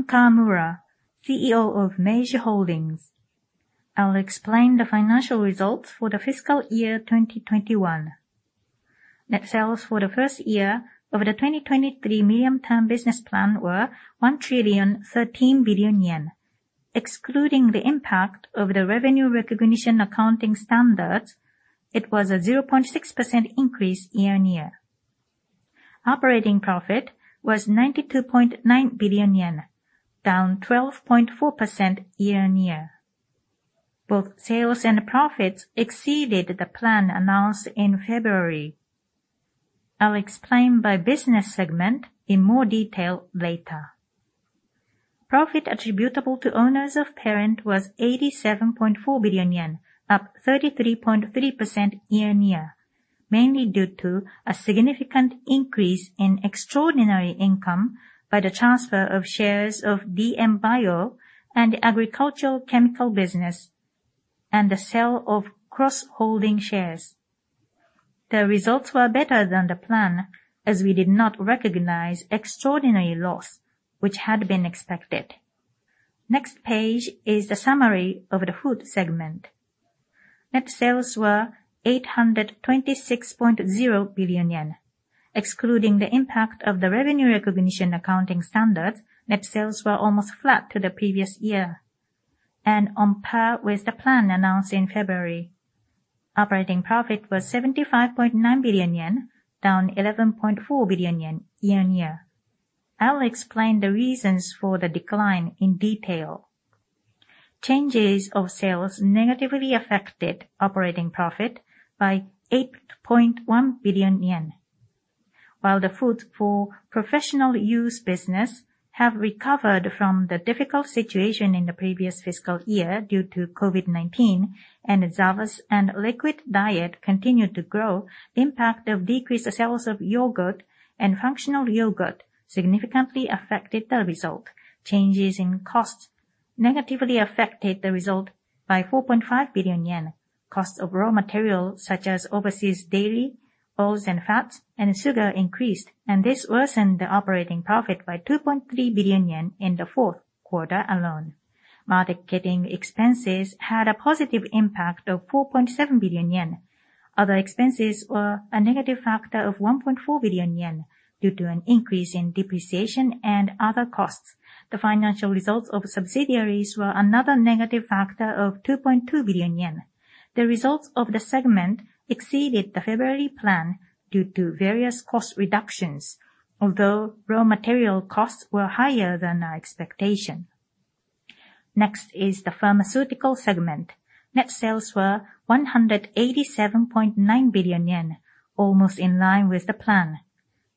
I am Kawamura, CEO of Meiji Holdings. I'll explain the financial results for the fiscal year 2021. Net sales for the first year of the 2023 Medium-Term Business Plan were 1,013 billion yen. Excluding the impact of the Revenue Recognition Accounting Standards, it was a 0.6% increase year-on-year. Operating profit was 92.9 billion yen, down 12.4% year-on-year. Both sales and profits exceeded the plan announced in February. I'll explain by business segment in more detail later. Profit attributable to owners of parent was 87.4 billion yen, up 33.3% year-on-year, mainly due to a significant increase in extraordinary income by the transfer of shares of DM Bio and the agricultural chemical business, and the sale of cross-holding shares. The results were better than the plan, as we did not recognize extraordinary loss, which had been expected. Next page is the summary of the food segment. Net sales were 826.0 billion yen. Excluding the impact of the Revenue Recognition Accounting Standards, net sales were almost flat to the previous year and on par with the plan announced in February. Operating profit was 75.9 billion yen, down 11.4 billion yen year-on-year. I'll explain the reasons for the decline in detail. Changes in sales negatively affected operating profit by 8.1 billion yen. While the foods for professional use business have recovered from the difficult situation in the previous fiscal year due to COVID-19, and the SAVAS and liquid diet continued to grow, the impact of decreased sales of yogurt and functional yogurt significantly affected the result. Changes in costs negatively affected the result by 4.5 billion yen. Cost of raw materials such as overseas dairy, oils and fats, and sugar increased, and this worsened the operating profit by 2.3 billion yen in the fourth quarter alone. Marketing expenses had a positive impact of 4.7 billion yen. Other expenses were a negative factor of 1.4 billion yen due to an increase in depreciation and other costs. The financial results of subsidiaries were another negative factor of 2.2 billion yen. The results of the segment exceeded the February plan due to various cost reductions, although raw material costs were higher than our expectation. Next is the pharmaceutical segment. Net sales were 187.9 billion yen, almost in line with the plan.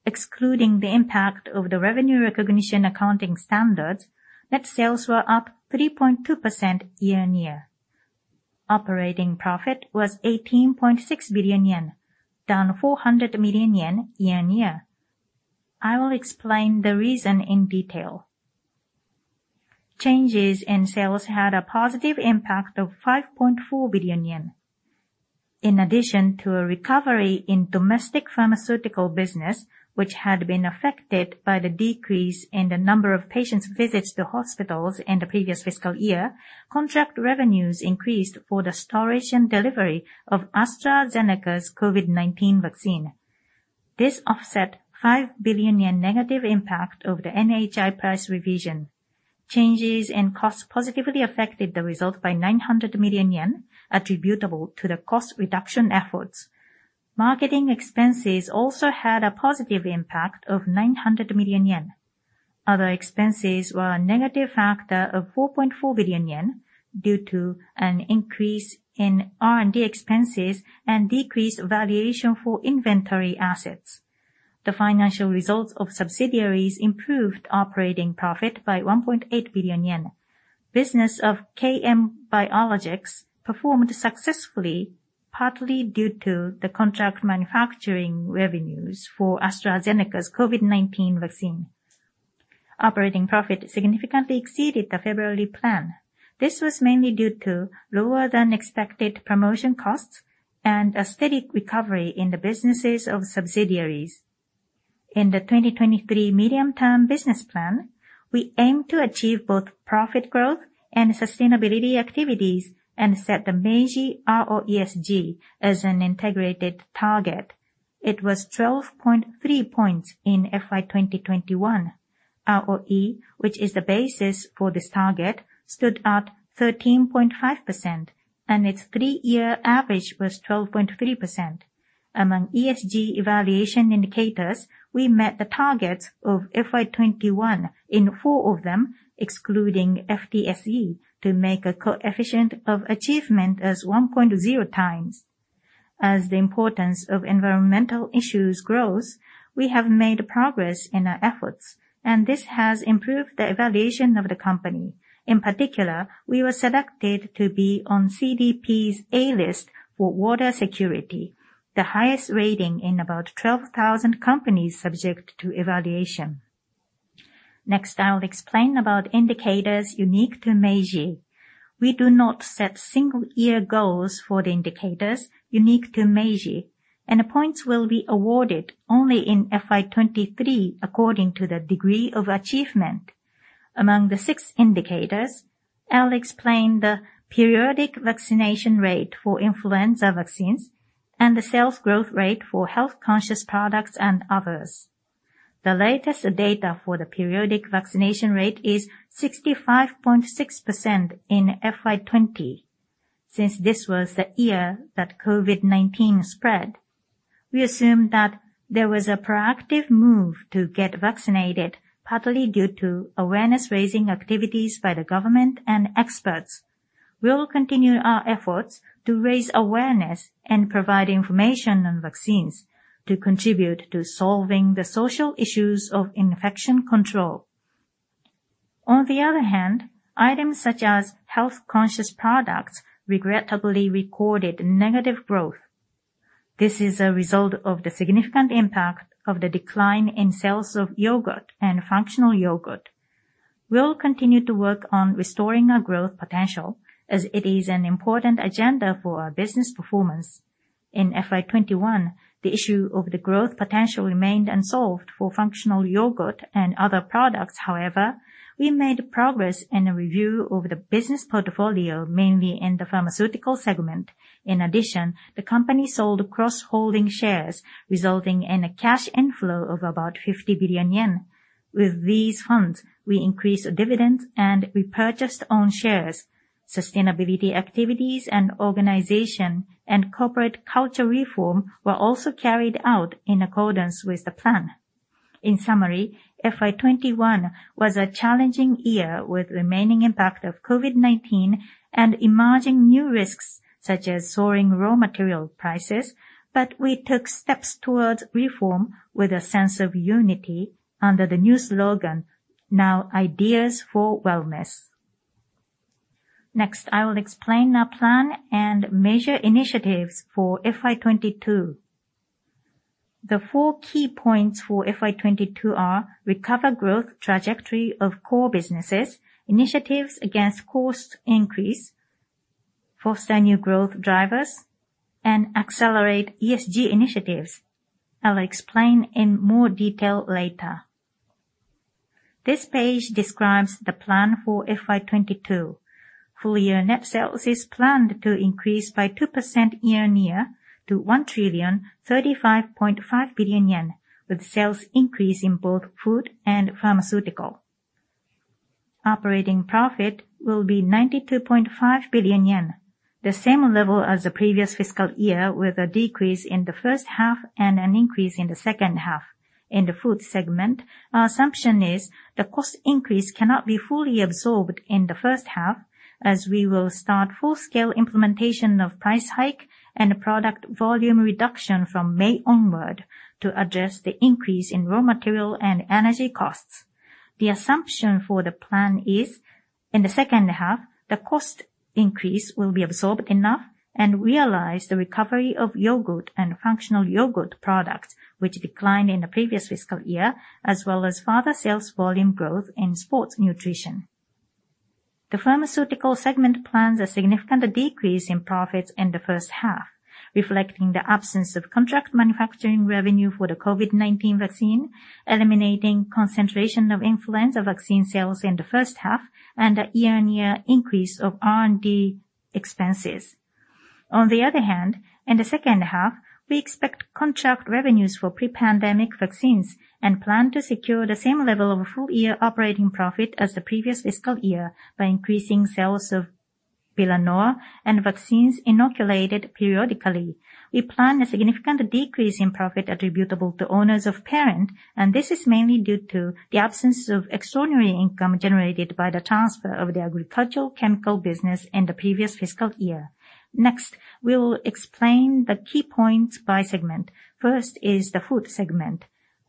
Excluding the impact of the Revenue Recognition Accounting Standards, net sales were up 3.2% year-on-year. Operating profit was 18.6 billion yen, down 400 million yen year-on-year. I will explain the reason in detail. Changes in sales had a positive impact of 5.4 billion yen. In addition to a recovery in domestic pharmaceutical business, which had been affected by the decrease in the number of patients' visits to hospitals in the previous fiscal year, contract revenues increased for the storage and delivery of AstraZeneca's COVID-19 vaccine. This offset 5 billion yen negative impact of the NHI price revision. Changes in costs positively affected the result by 900 million yen attributable to the cost reduction efforts. Marketing expenses also had a positive impact of 900 million yen. Other expenses were a negative factor of 4.4 billion yen due to an increase in R&D expenses and decreased valuation for inventory assets. The financial results of subsidiaries improved operating profit by 1.8 billion yen. Business of KM Biologics performed successfully, partly due to the contract manufacturing revenues for AstraZeneca's COVID-19 vaccine. Operating profit significantly exceeded the February plan. This was mainly due to lower than expected promotion costs and a steady recovery in the businesses of subsidiaries. In the 2023 Medium-Term Business Plan, we aim to achieve both profit growth and sustainability activities and set the Meiji ROESG as an integrated target. It was 12.3 points in FY 2021. ROE, which is the basis for this target, stood at 13.5%, and its three-year average was 12.3%. Among ESG evaluation indicators, we met the targets of FY 2021 in four of them, excluding FTSE, to make a coefficient of achievement as 1.0x. As the importance of environmental issues grows, we have made progress in our efforts, and this has improved the evaluation of the company. In particular, we were selected to be on CDP's A List for water security, the highest rating in about 12,000 companies subject to evaluation. Next, I'll explain about indicators unique to Meiji. We do not set single-year goals for the indicators unique to Meiji. Points will be awarded only in FY 2023 according to the degree of achievement. Among the six indicators, I'll explain the periodic vaccination rate for influenza vaccines and the sales growth rate for health conscious products and others. The latest data for the periodic vaccination rate is 65.6% in FY 2020. Since this was the year that COVID-19 spread, we assume that there was a proactive move to get vaccinated, partly due to awareness raising activities by the government and experts. We will continue our efforts to raise awareness and provide information on vaccines to contribute to solving the social issues of infection control. On the other hand, items such as health conscious products regrettably recorded negative growth. This is a result of the significant impact of the decline in sales of yogurt and functional yogurt. We'll continue to work on restoring our growth potential as it is an important agenda for our business performance. In FY 2021, the issue of the growth potential remained unsolved for functional yogurt and other products. However, we made progress in a review of the business portfolio, mainly in the pharmaceutical segment. In addition, the company sold cross-holding shares, resulting in a cash inflow of about 50 billion yen. With these funds, we increased dividend and repurchased own shares. Sustainability activities and organization and corporate culture reform were also carried out in accordance with the plan. In summary, FY 2021 was a challenging year with remaining impact of COVID-19 and emerging new risks such as soaring raw material prices. We took steps towards reform with a sense of unity under the new slogan, Now Ideas for Wellness. Next, I will explain our plan and major initiatives for FY 2022. The four key points for FY 2022 are recover growth trajectory of core businesses, initiatives against cost increase, foster new growth drivers, and accelerate ESG initiatives. I'll explain in more detail later. This page describes the plan for FY 2022. Full-year net sales is planned to increase by 2% year-on-year to 1,035.5 billion yen, with sales increase in both food and pharmaceutical. Operating profit will be 92.5 billion yen, the same level as the previous fiscal year, with a decrease in the first half and an increase in the second half. In the food segment, our assumption is the cost increase cannot be fully absorbed in the first half, as we will start full-scale implementation of price hike and product volume reduction from May onward to address the increase in raw material and energy costs. The assumption for the plan is, in the second half, the cost increase will be absorbed enough and realize the recovery of yogurt and functional yogurt products, which declined in the previous fiscal year, as well as further sales volume growth in sports nutrition. The pharmaceutical segment plans a significant decrease in profits in the first half, reflecting the absence of contract manufacturing revenue for the COVID-19 vaccine, eliminating concentration of influenza vaccine sales in the first half, and a year-on-year increase of R&D expenses. On the other hand, in the second half, we expect contract revenues for pre-pandemic vaccines and plan to secure the same level of full year operating profit as the previous fiscal year by increasing sales of Bilanoa and vaccines inoculated periodically. We plan a significant decrease in profit attributable to owners of parent, and this is mainly due to the absence of extraordinary income generated by the transfer of the agricultural chemical business in the previous fiscal year. Next, we will explain the key points by segment. First is the food segment.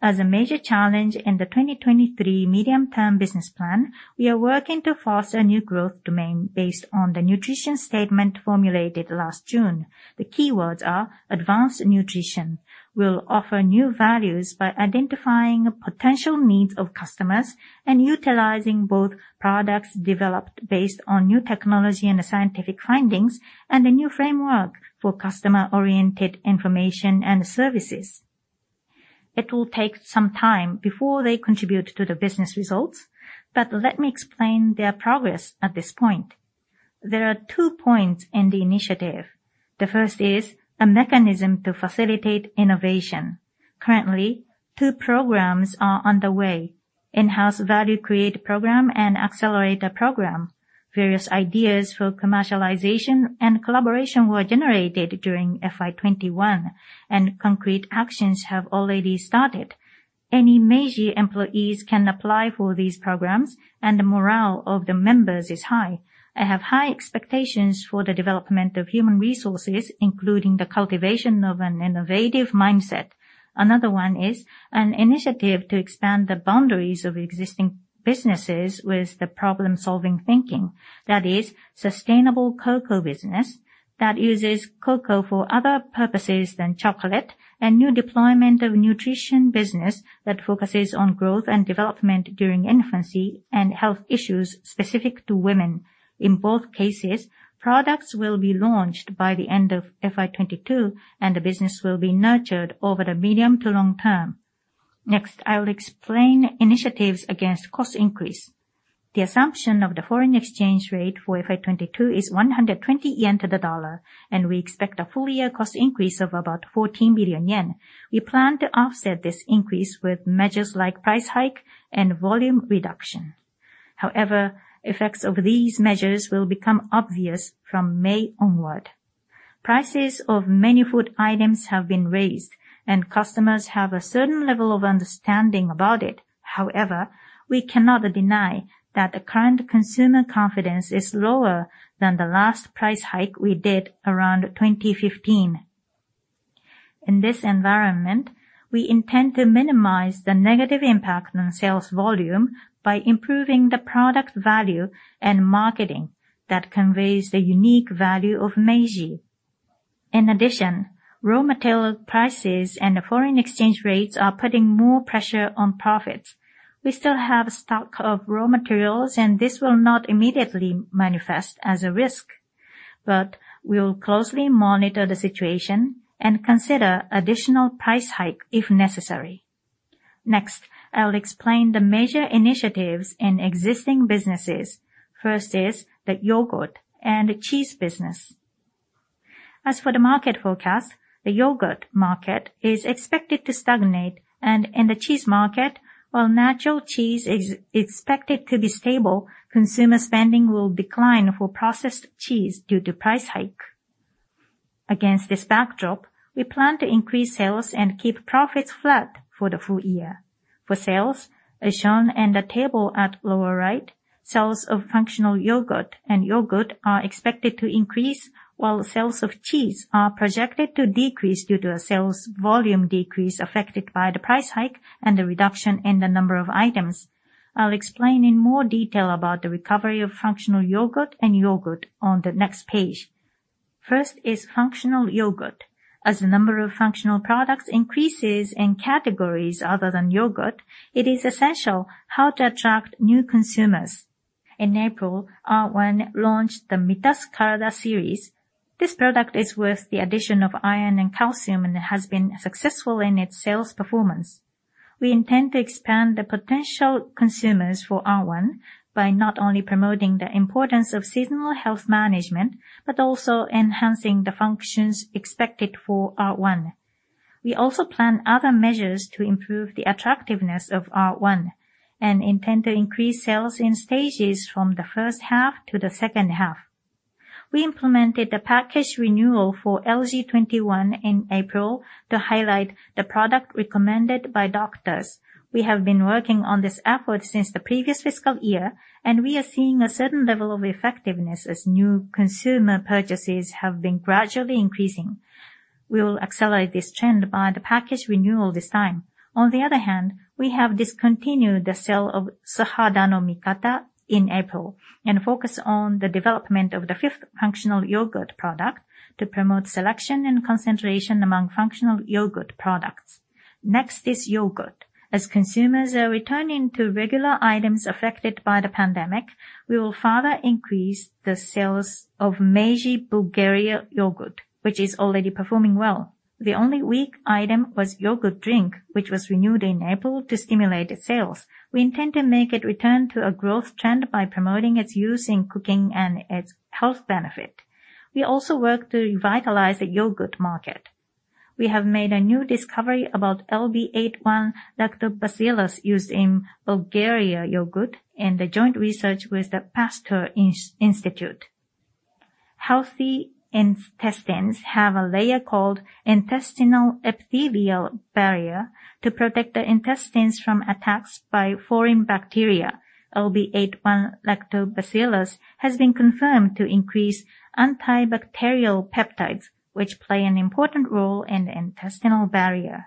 As a major challenge in the 2023 Medium-Term Business Plan, we are working to foster a new growth domain based on the Nutrition Statement formulated last June. The keywords are advanced nutrition. We'll offer new values by identifying potential needs of customers and utilizing both products developed based on new technology and scientific findings and a new framework for customer-oriented information and services. It will take some time before they contribute to the business results, but let me explain their progress at this point. There are two points in the initiative. The first is a mechanism to facilitate innovation. Currently, two programs are on the way, in-house value create program and accelerator program. Various ideas for commercialization and collaboration were generated during FY 2021, and concrete actions have already started. Any Meiji employees can apply for these programs, and the morale of the members is high. I have high expectations for the development of human resources, including the cultivation of an innovative mindset. Another one is an initiative to expand the boundaries of existing businesses with the problem-solving thinking. That is sustainable cocoa business that uses cocoa for other purposes than chocolate and new deployment of nutrition business that focuses on growth and development during infancy and health issues specific to women. In both cases, products will be launched by the end of FY 2022, and the business will be nurtured over the medium to long term. Next, I'll explain initiatives against cost increase. The assumption of the foreign exchange rate for FY 2022 is 120 yen to the dollar, and we expect a full year cost increase of about 14 billion yen. We plan to offset this increase with measures like price hike and volume reduction. However, effects of these measures will become obvious from May onward. Prices of many food items have been raised, and customers have a certain level of understanding about it. However, we cannot deny that the current consumer confidence is lower than the last price hike we did around 2015. In this environment, we intend to minimize the negative impact on sales volume by improving the product value and marketing that conveys the unique value of Meiji. In addition, raw material prices and foreign exchange rates are putting more pressure on profits. We still have stock of raw materials, and this will not immediately manifest as a risk, but we will closely monitor the situation and consider additional price hike if necessary. Next, I'll explain the major initiatives in existing businesses. First is the yogurt and cheese business. As for the market forecast, the yogurt market is expected to stagnate. In the cheese market, while natural cheese is expected to be stable, consumer spending will decline for processed cheese due to price hike. Against this backdrop, we plan to increase sales and keep profits flat for the full year. For sales, as shown in the table at lower right, sales of functional yogurt and yogurt are expected to increase, while sales of cheese are projected to decrease due to a sales volume decrease affected by the price hike and the reduction in the number of items. I'll explain in more detail about the recovery of functional yogurt and yogurt on the next page. First is functional yogurt. As the number of functional products increases in categories other than yogurt, it is essential how to attract new consumers. In April, R-1 launched the Mitasu Karada series. This product is with the addition of iron and calcium, and it has been successful in its sales performance. We intend to expand the potential consumers for R-1 by not only promoting the importance of seasonal health management, but also enhancing the functions expected for R-1. We also plan other measures to improve the attractiveness of R-1, and intend to increase sales in stages from the first half to the second half. We implemented the package renewal for LG21 in April to highlight the product recommended by doctors. We have been working on this effort since the previous fiscal year, and we are seeing a certain level of effectiveness as new consumer purchases have been gradually increasing. We will accelerate this trend by the package renewal this time. On the other hand, we have discontinued the sale of Suhada no Mikata in April, and focus on the development of the fifth functional yogurt product to promote selection and concentration among functional yogurt products. Next is yogurt. As consumers are returning to regular items affected by the pandemic, we will further increase the sales of Meiji Bulgaria Yogurt, which is already performing well. The only weak item was yogurt drink, which was renewed in April to stimulate sales. We intend to make it return to a growth trend by promoting its use in cooking and its health benefit. We also work to revitalize the yogurt market. We have made a new discovery about LB81 Lactobacillus used in Bulgaria Yogurt in the joint research with the Pasteur Institute. Healthy intestines have a layer called intestinal epithelial barrier to protect the intestines from attacks by foreign bacteria. LB81 Lactobacillus has been confirmed to increase antibacterial peptides, which play an important role in the intestinal barrier.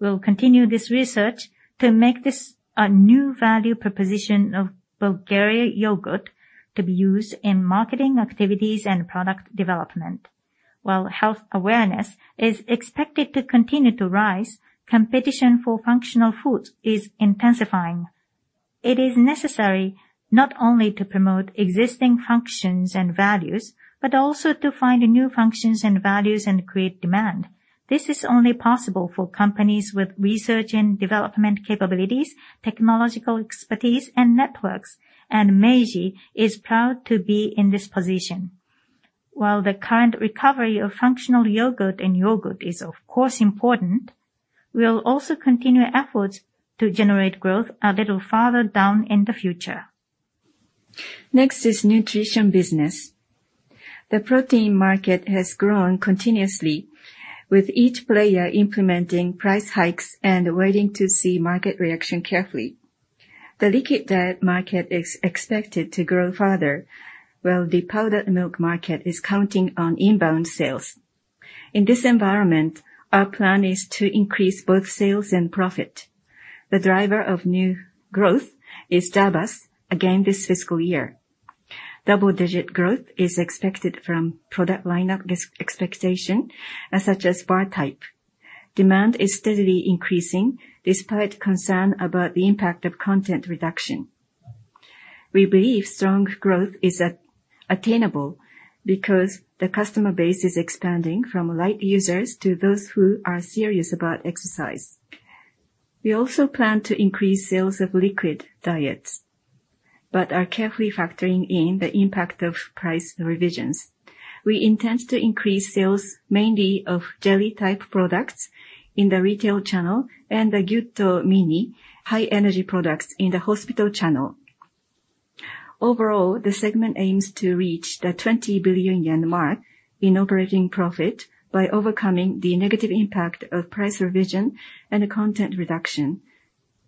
We'll continue this research to make this a new value proposition of Bulgaria yogurt to be used in marketing activities and product development. While health awareness is expected to continue to rise, competition for functional foods is intensifying. It is necessary not only to promote existing functions and values, but also to find new functions and values and create demand. This is only possible for companies with research and development capabilities, technological expertise, and networks. Meiji is proud to be in this position. While the current recovery of functional yogurt and yogurt is of course important, we'll also continue efforts to generate growth a little farther down in the future. Next is nutrition business. The protein market has grown continuously with each player implementing price hikes and waiting to see market reaction carefully. The liquid diet market is expected to grow further, while the powdered milk market is counting on inbound sales. In this environment, our plan is to increase both sales and profit. The driver of new growth is SAVAS again this fiscal year. Double-digit growth is expected from product lineup expansion, such as bar type. Demand is steadily increasing despite concern about the impact of content reduction. We believe strong growth is attainable because the customer base is expanding from light users to those who are serious about exercise. We also plan to increase sales of liquid diets, but are carefully factoring in the impact of price revisions. We intend to increase sales mainly of jelly type products in the retail channel and the Gyutto Mini high energy products in the hospital channel. Overall, the segment aims to reach the 20 billion yen mark in operating profit by overcoming the negative impact of price revision and the content reduction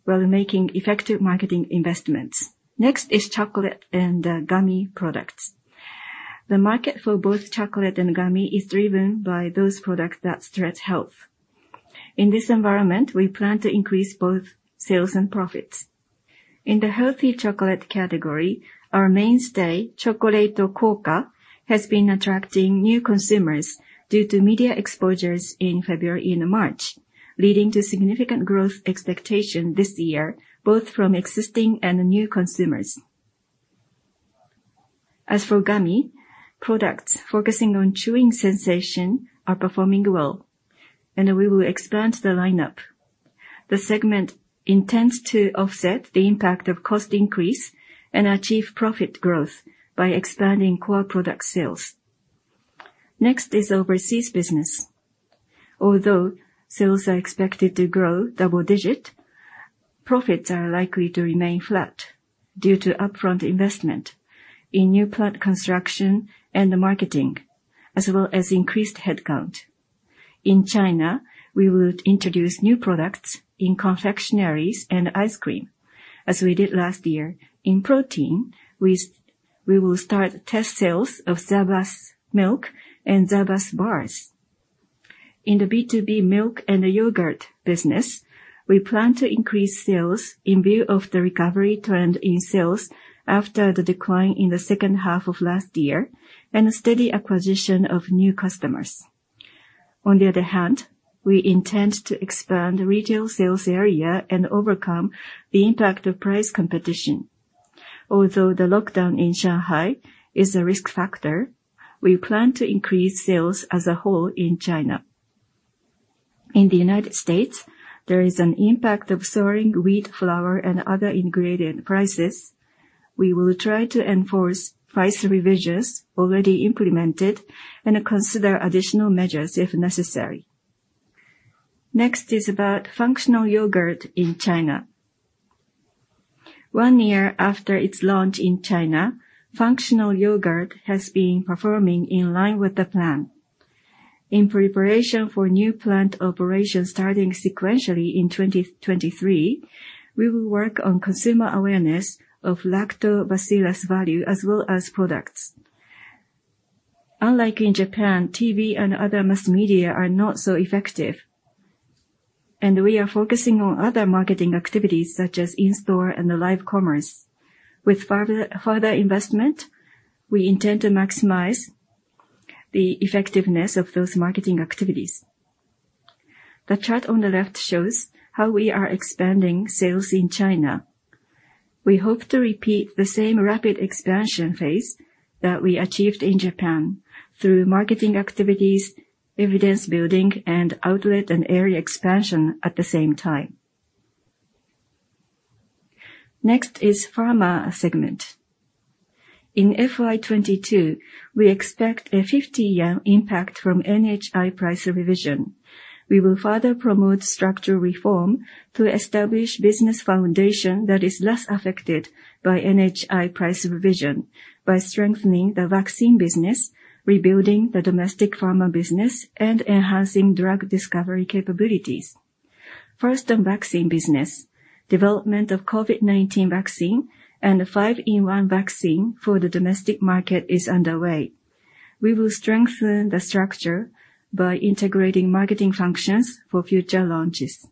while making effective marketing investments. Next is chocolate and gummy products. The market for both chocolate and gummy is driven by those products that stress health. In this environment, we plan to increase both sales and profits. In the healthy chocolate category, our mainstay, Chocolate Kouka, has been attracting new consumers due to media exposures in February and March, leading to significant growth expectation this year, both from existing and new consumers. As for gummy products focusing on chewing sensation are performing well, and we will expand the lineup. The segment intends to offset the impact of cost increase and achieve profit growth by expanding core product sales. Next is overseas business. Although sales are expected to grow double-digit, profits are likely to remain flat due to upfront investment in new plant construction and the marketing, as well as increased headcount. In China, we will introduce new products in confectioneries and ice cream, as we did last year. In protein, we will start test sales of SAVAS milk and SAVAS bars. In the B2B milk and yogurt business, we plan to increase sales in view of the recovery trend in sales after the decline in the second half of last year and a steady acquisition of new customers. On the other hand, we intend to expand the retail sales area and overcome the impact of price competition. Although the lockdown in Shanghai is a risk factor, we plan to increase sales as a whole in China. In the United States, there is an impact of soaring wheat, flour, and other ingredient prices. We will try to enforce price revisions already implemented and consider additional measures if necessary. Next is about functional yogurt in China. One year after its launch in China, functional yogurt has been performing in line with the plan. In preparation for new plant operations starting sequentially in 2023, we will work on consumer awareness of Lactobacillus value as well as products. Unlike in Japan, TV and other mass media are not so effective, and we are focusing on other marketing activities such as in-store and live commerce. With further investment, we intend to maximize the effectiveness of those marketing activities. The chart on the left shows how we are expanding sales in China. We hope to repeat the same rapid expansion phase that we achieved in Japan through marketing activities, evidence building and outlet and area expansion at the same time. Next is pharma segment. In FY 2022, we expect a 50 impact from NHI price revision. We will further promote structural reform to establish business foundation that is less affected by NHI price revision by strengthening the vaccine business, rebuilding the domestic pharma business and enhancing drug discovery capabilities. First, on vaccine business. Development of COVID-19 vaccine and a five-in-one vaccine for the domestic market is underway. We will strengthen the structure by integrating marketing functions for future launches.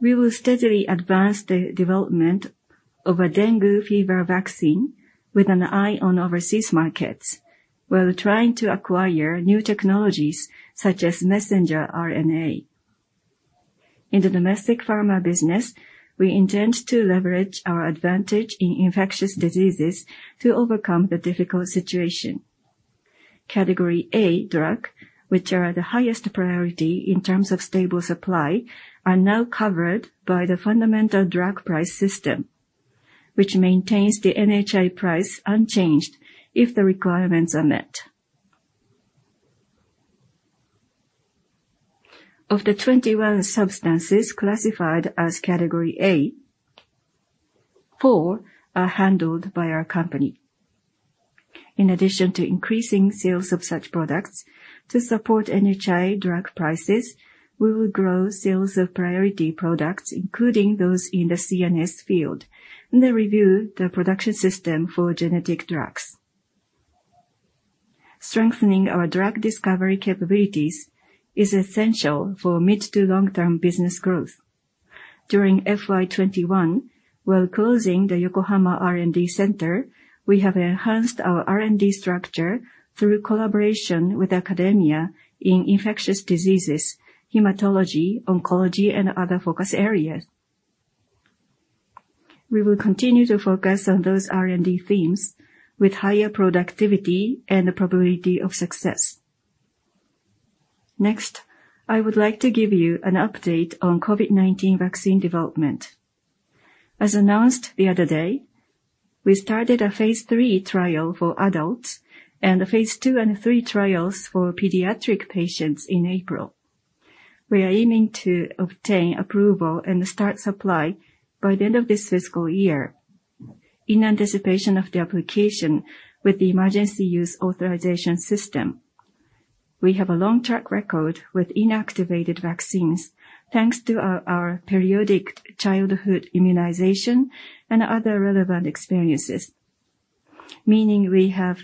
We will steadily advance the development of a dengue fever vaccine with an eye on overseas markets while trying to acquire new technologies such as messenger RNA. In the domestic pharma business, we intend to leverage our advantage in infectious diseases to overcome the difficult situation. Category A medicines, which are the highest priority in terms of stable supply, are now covered by the fundamental drug price system, which maintains the NHI price unchanged if the requirements are met. Of the 21 substances classified as Category A, four are handled by our company. In addition to increasing sales of such products to support NHI drug prices, we will grow sales of priority products, including those in the CNS field, and then review the production system for generic drugs. Strengthening our drug discovery capabilities is essential for mid to long term business growth. During FY 2021, while closing the Yokohama R&D center, we have enhanced our R&D structure through collaboration with academia in infectious diseases, hematology, oncology and other focus areas. We will continue to focus on those R&D themes with higher productivity and the probability of success. Next, I would like to give you an update on COVID-19 vaccine development. As announced the other day, we started a phase III trial for adults and a phase II and III trials for pediatric patients in April. We are aiming to obtain approval and start supply by the end of this fiscal year in anticipation of the application with the Emergency Use Authorization system. We have a long track record with inactivated vaccines, thanks to our periodic childhood immunization and other relevant experiences, meaning we have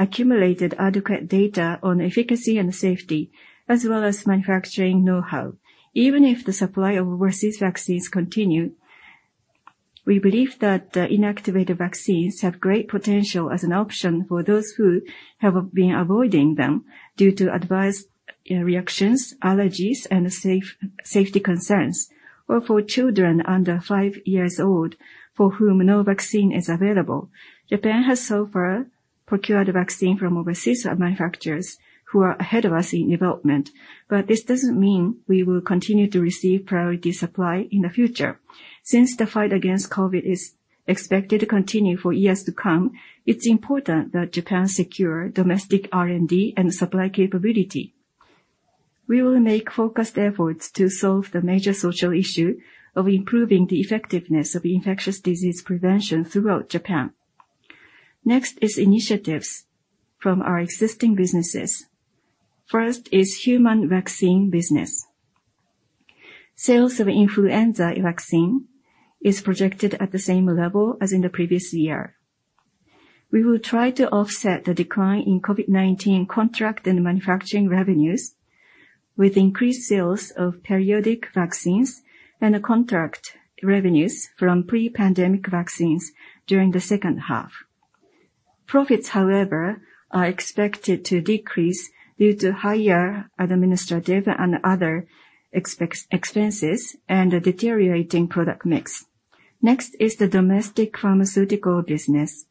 accumulated adequate data on efficacy and safety as well as manufacturing know-how. Even if the supply of overseas vaccines continue, we believe that inactivated vaccines have great potential as an option for those who have been avoiding them due to adverse reactions, allergies, and safety concerns, or for children under five years old for whom no vaccine is available. Japan has so far procured a vaccine from overseas manufacturers who are ahead of us in development, but this doesn't mean we will continue to receive priority supply in the future. Since the fight against COVID is expected to continue for years to come, it's important that Japan secure domestic R&D and supply capability. We will make focused efforts to solve the major social issue of improving the effectiveness of infectious disease prevention throughout Japan. Next is initiatives from our existing businesses. First is human vaccine business. Sales of influenza vaccine is projected at the same level as in the previous year. We will try to offset the decline in COVID-19 contract and manufacturing revenues with increased sales of periodic vaccines and contract revenues from pre-pandemic vaccines during the second half. Profits, however, are expected to decrease due to higher administrative and other expenses and a deteriorating product mix. Next is the domestic pharmaceutical business.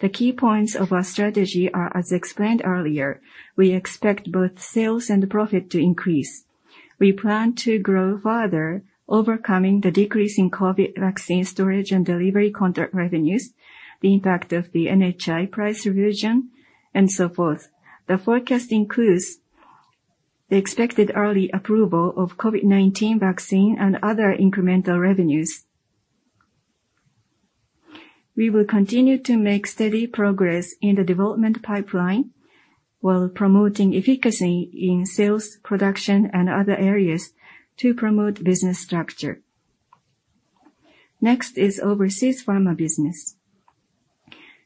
The key points of our strategy are as explained earlier. We expect both sales and profit to increase. We plan to grow further, overcoming the decrease in COVID vaccine storage and delivery contract revenues, the impact of the NHI price revision, and so forth. The forecast includes the expected early approval of COVID-19 vaccine and other incremental revenues. We will continue to make steady progress in the development pipeline while promoting efficacy in sales, production, and other areas to promote business structure. Next is overseas pharma business.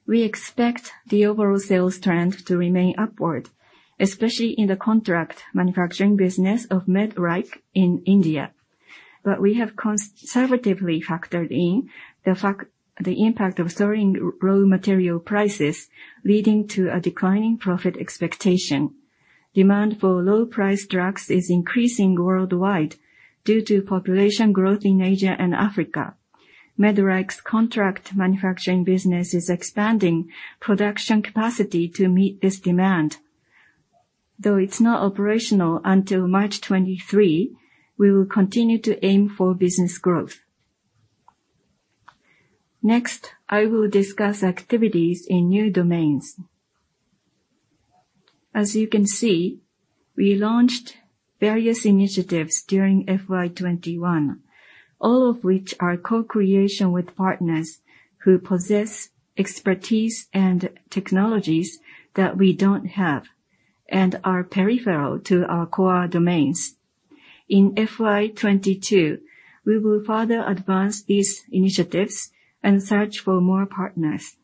We expect the overall sales trend to remain upward, especially in the contract manufacturing business of Medreich in India. We have conservatively factored in the impact of soaring raw material prices, leading to a decline in profit expectation. Demand for low price drugs is increasing worldwide due to population growth in Asia and Africa. Medreich's contract manufacturing business is expanding production capacity to meet this demand. Though it's not operational until March 2023, we will continue to aim for business growth. Next, I will discuss activities in new domains. As you can see, we launched various initiatives during FY 2021, all of which are co-creation with partners who possess expertise and technologies that we don't have and are peripheral to our core domains. In FY 2022, we will further advance these initiatives and search for more partners.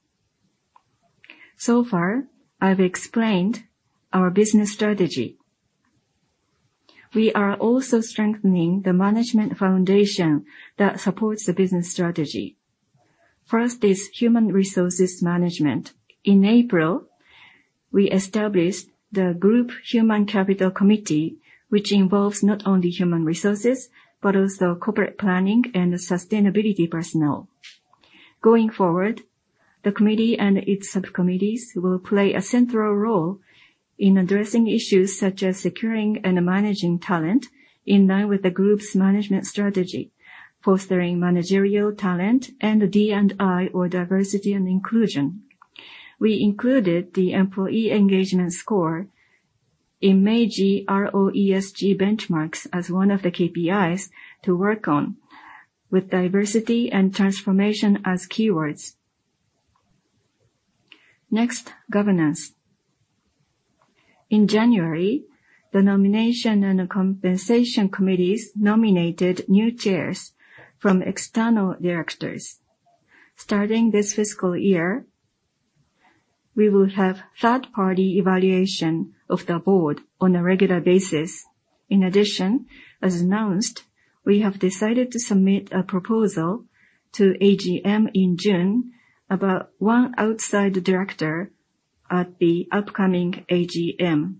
So far, I've explained our business strategy. We are also strengthening the management foundation that supports the business strategy. First is human resources management. In April, we established the Group Human Capital Committee, which involves not only human resources, but also corporate planning and sustainability personnel. Going forward, the committee and its subcommittees will play a central role in addressing issues such as securing and managing talent in line with the group's management strategy, fostering managerial talent and D&I or diversity and inclusion. We included the employee engagement score in Meiji ROESG benchmarks as one of the KPIs to work on with diversity and transformation as keywords. Next, governance. In January, the nomination and compensation committees nominated new chairs from external directors. Starting this fiscal year, we will have third-party evaluation of the board on a regular basis. In addition, as announced, we have decided to submit a proposal to AGM in June about one outside director at the upcoming AGM.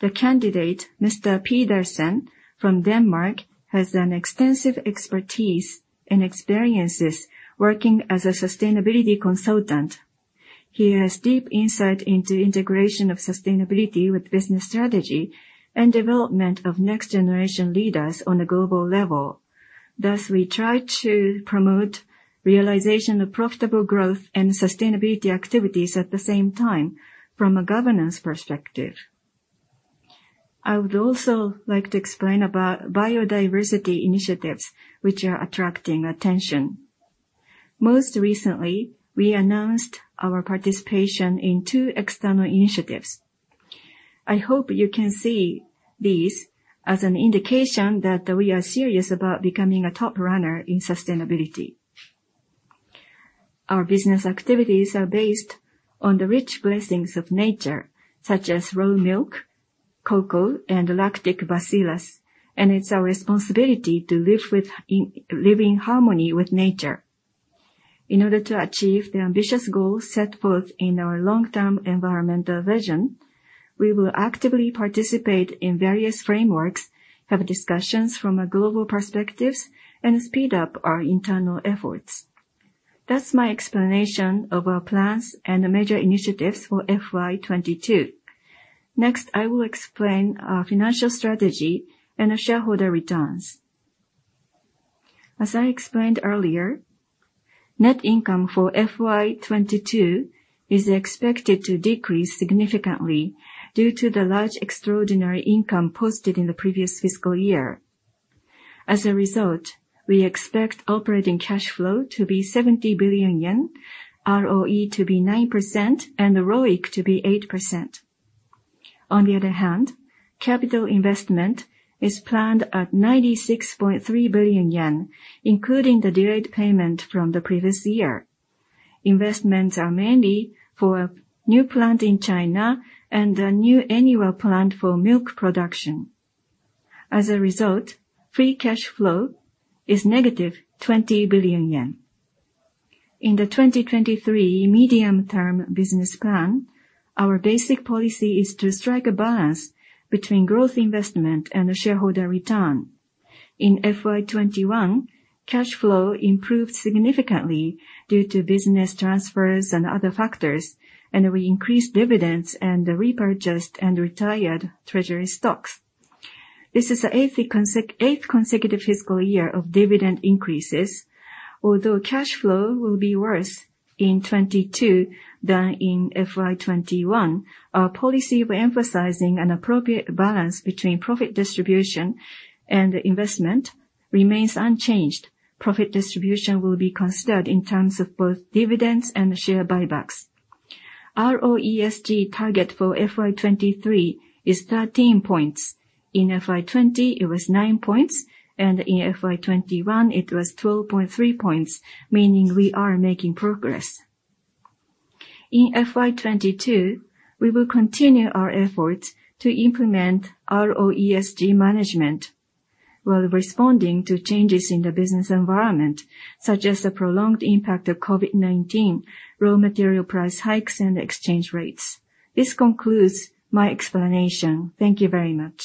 The candidate, Mr. Pedersen from Denmark, has an extensive expertise and experiences working as a sustainability consultant. He has deep insight into integration of sustainability with business strategy and development of next generation leaders on a global level. Thus, we try to promote realization of profitable growth and sustainability activities at the same time from a governance perspective. I would also like to explain about biodiversity initiatives which are attracting attention. Most recently, we announced our participation in two external initiatives. I hope you can see these as an indication that we are serious about becoming a top runner in sustainability. Our business activities are based on the rich blessings of nature, such as raw milk, cocoa, and lactic bacillus, and it's our responsibility to live within, live in harmony with nature. In order to achieve the ambitious goals set forth in our long-term environmental vision, we will actively participate in various frameworks, have discussions from a global perspectives, and speed up our internal efforts. That's my explanation of our plans and the major initiatives for FY 2022. Next, I will explain our financial strategy and our shareholder returns. As I explained earlier, net income for FY 2022 is expected to decrease significantly due to the large extraordinary income posted in the previous fiscal year. As a result, we expect operating cash flow to be 70 billion yen, ROE to be 9%, and the ROIC to be 8%. On the other hand, capital investment is planned at 96.3 billion yen, including the delayed payment from the previous year. Investments are mainly for a new plant in China and a new annual plant for milk production. As a result, free cash flow is -20 billion yen. In the 2023 Medium-Term Business Plan, our basic policy is to strike a balance between growth investment and the shareholder return. In FY 2021, cash flow improved significantly due to business transfers and other factors, and we increased dividends and repurchased and retired treasury stocks. This is the eighth consecutive fiscal year of dividend increases. Although cash flow will be worse in FY 2022 than in FY 2021, our policy for emphasizing an appropriate balance between profit distribution and investment remains unchanged. Profit distribution will be considered in terms of both dividends and share buybacks. ROESG target for FY 2023 is 13 points. In FY 2020, it was nine points, and in FY 2021, it was 12.3 points, meaning we are making progress. In FY 2022, we will continue our efforts to implement ROESG management while responding to changes in the business environment, such as the prolonged impact of COVID-19, raw material price hikes, and exchange rates. This concludes my explanation. Thank you very much.